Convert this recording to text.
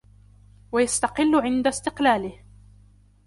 وَيَسْتَقِلُّ عِنْدَ اسْتِقْلَالِهِ